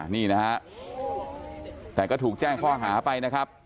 นี่นะฮะแต่ก็ถูกแจ้งข้อหาไปนะครับ